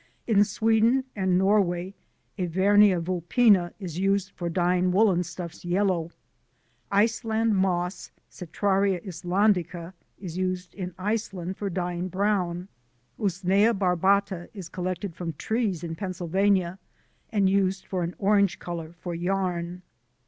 In Sweden and Norway, Evernia vulpina is used for dyeing woollen stuffs yellow. Iceland Moss, Cetraria Islandica, is used in Iceland for dyeing brown. Usnea barbata is collected from trees in Pennsylvania, and used for an orange colour for yarn.